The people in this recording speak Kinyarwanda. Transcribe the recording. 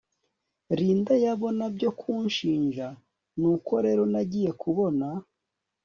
Linda yabona byo kunshinja nuko rero nagiye kubona